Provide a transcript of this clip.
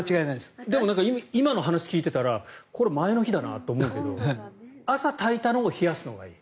でも今の話を聞いてたら前の日だなと思うけど朝炊いたのを冷やすのがいい。